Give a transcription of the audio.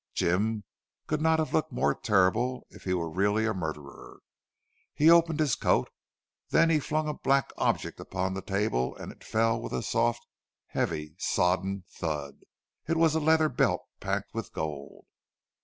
Jim could not have locked more terrible if he were really a murderer. He opened his coat. Then he flung a black object upon the table and it fell with a soft, heavy, sodden thud. It was a leather belt packed with gold.